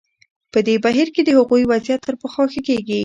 په دې بهیر کې د هغوی وضعیت تر پخوا ښه کېږي.